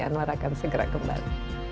anwar akan segera kembali